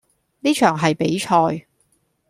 呢場係比賽